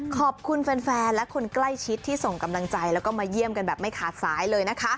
ขอบคุณแฟนและคนใกล้ชิดที่ส่งกำลังใจแล้วก็มาเยี่ยมกันแบบไม่ขาดสายเลยนะคะ